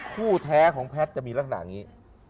คู่แท้ของแพทย์จะมีละขนาดนี้